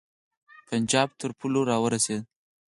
پنجاب تر پولو را ورسېدی.